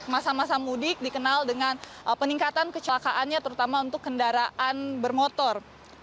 masa masa mudik dikenal dengan peningkatan kecelakaannya terutama untuk kendaraan bermotor